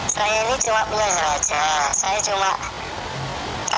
saya ini cuma belanja aja